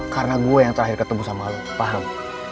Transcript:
karena gue yang terakhir ketemu sama lo paham